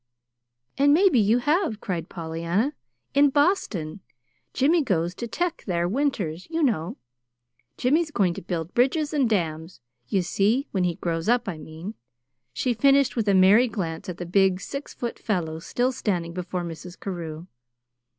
"And maybe you have," cried Pollyanna, "in Boston. Jimmy goes to Tech there winters, you know. Jimmy's going to build bridges and dams, you see when he grows up, I mean," she finished with a merry glance at the big six foot fellow still standing before Mrs. Carew.